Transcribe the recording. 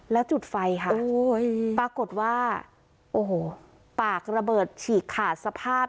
แล้วจุดไฟค่ะปรากฏว่าโอ้โหปากระเบิดฉีกขาดสภาพ